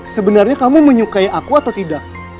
sebenarnya kamu menyukai aku atau tidak